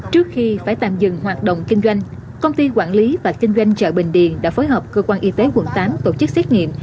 trước khi phải tạm dừng hoạt động kinh doanh công ty quản lý và kinh doanh chợ bình điền đã phối hợp cơ quan y tế quận tám tổ chức xét nghiệm